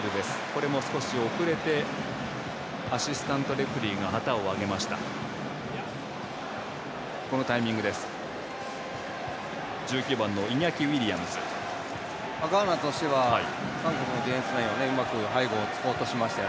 これも少し遅れてアシスタントレフェリーが旗を上げました。